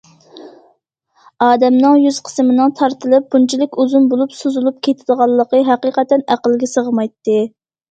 ئادەمنىڭ يۈز قىسمىنىڭ تارتىلىپ بۇنچىلىك ئۇزۇن بولۇپ سوزۇلۇپ كېتىدىغانلىقى ھەقىقەتەن ئەقىلگە سىغمايتتى.